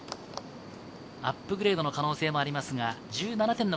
アップグレードの可能性もありますが、メーサー、第２射。